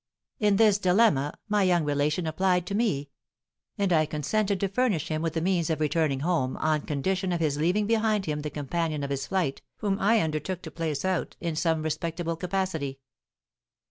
In this dilemma, my young relation applied to me; and I consented to furnish him with the means of returning home, on condition of his leaving behind him the companion of his flight, whom I undertook to place out in some respectable capacity."